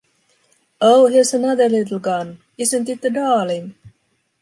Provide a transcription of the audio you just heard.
Oh, here's another little gun; isn't it a darling!